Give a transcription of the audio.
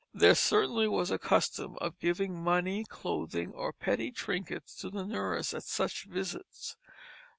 There certainly was a custom of giving money, clothing, or petty trinkets to the nurse at such visits.